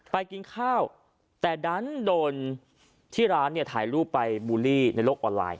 กินข้าวแต่ดันโดนที่ร้านเนี่ยถ่ายรูปไปบูลลี่ในโลกออนไลน